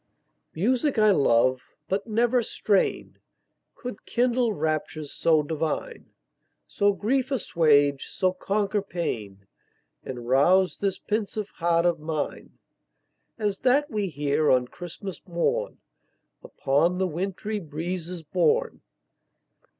Music I love but never strain Could kindle raptures so divine, So grief assuage, so conquer pain, And rouse this pensive heart of mine As that we hear on Christmas morn, Upon the wintry breezes borne.